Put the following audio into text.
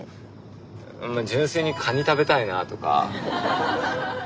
純粋にカニ食べたいなとか。